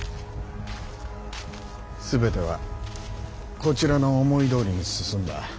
全てはこちらの思いどおりに進んだ。